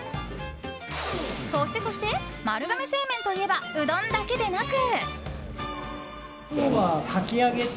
そしてそして、丸亀製麺といえばうどんだけでなく。